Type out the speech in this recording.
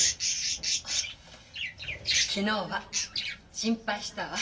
昨日は心配したわ。